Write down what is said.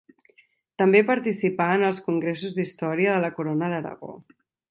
També participà en els Congressos d'Història de la Corona d'Aragó.